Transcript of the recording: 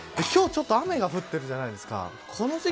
今日ちょっと雨が降ってるじゃないですか。